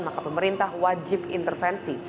maka pemerintah wajib intervensi